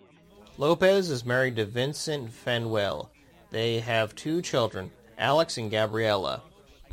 Lopez is married to Vincent Fanuele; they have two children, Alex and Gabriella.